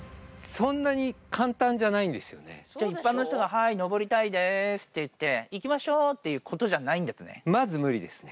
そんなに簡単じゃないんですじゃあ、一般の人がはーい、登りたいですって言って、行きましょうっていうことじゃないんでまず無理ですね。